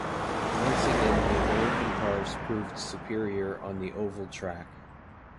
Once again the American cars proved superior on the oval track.